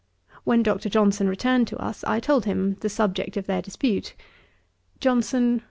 When Dr. Johnson returned to us, I told him the subject of their dispute. JOHNSON.